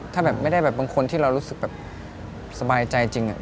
ถ้าไม่ได้บางคนที่เรารู้สึกสบายใจจริง